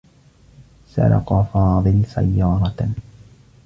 سرق فاضل سيّارة.